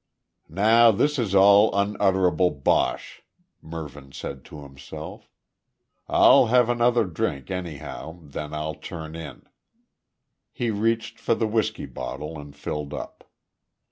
"Now this is all unutterable bosh," Mervyn said to himself. "I'll have another drink anyhow. Then I'll turn in." He reached for the whisky bottle, and filled up.